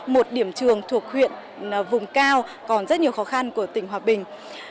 một điểm trường thuộc huyện vùng cao còn rất nhiều khó khăn của tỉnh hòa bình